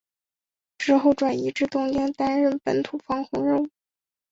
之后转移至东京担任本土防空任务。